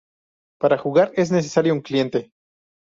Para jugar, es necesario un cliente.